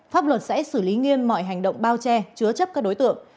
pháp luật sẽ xử lý nghiêm mọi hành động bao che chứa chấp các đối tượng